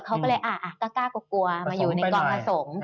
เขาก็เลยกล้ากล้ากกลัวกลัวมาอยู่ในกองผสม